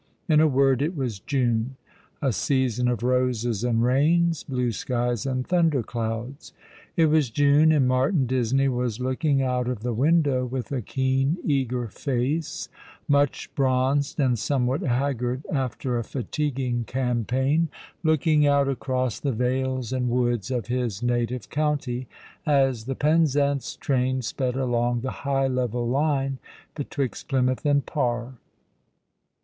In a word, it was June, a season of roses and rains, blue skies and thunder clouds. It was June, and Martin Disney was look ing out of the window with a keen eager face, much bronzed, and somewhat haggard, after a fatiguing campaign, looking out across the vales and woods of his native county, as tho Penzance train sped along the high level line betwixt Plj^mouth and Par.